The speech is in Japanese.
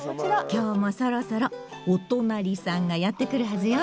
今日もそろそろおとなりさんがやって来るはずよ。